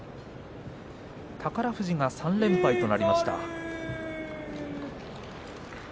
宝富士が３連敗となりました。